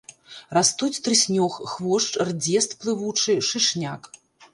Растуць трыснёг, хвошч, рдзест плывучы, шышняк.